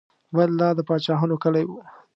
بل دا د پاچاهانو کلی و.